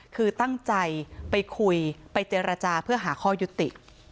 คือตั้งใจไปคุยไปเจรจาเพื่อหาข้อยุติ